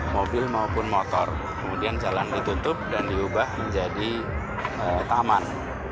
mobil maupun motor kemudian jalan ditutup dan diubah menjadi taman